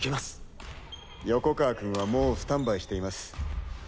横川君はもうスタンバイしています。